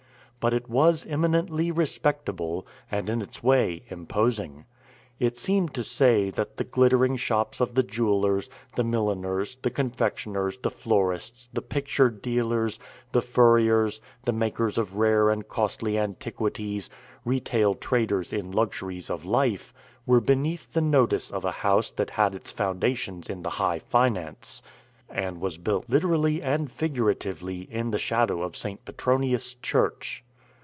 But it was eminently respectable, and in its way imposing. It seemed to say that the glittering shops of the jewelers, the milliners, the confectioners, the florists, the picture dealers, the furriers, the makers of rare and costly antiquities, retail traders in luxuries of life, were beneath the notice of a house that had its foundations in the high finance, and was built literally and figuratively in the shadow of St. Petronius' Church.